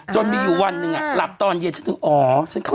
จนมีอยู่วันหนึ่งหลับตอนเย็นฉันถึงอ๋อฉันเข้าใจแล้ว